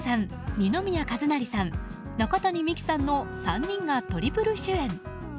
二宮和也さん、中谷美紀さんの３人がトリプル主演。